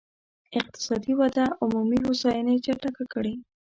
اقتصادي وده عمومي هوساينې چټکه کړي.